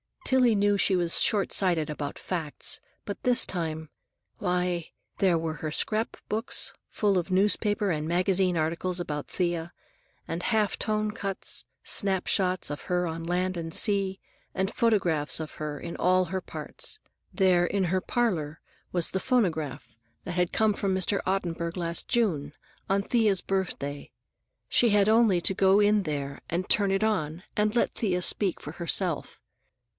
Tillie knew she was short sighted about facts, but this time—Why, there were her scrapbooks, full of newspaper and magazine articles about Thea, and half tone cuts, snap shots of her on land and sea, and photographs of her in all her parts. There, in her parlor, was the phonograph that had come from Mr. Ottenburg last June, on Thea's birthday; she had only to go in there and turn it on, and let Thea speak for herself.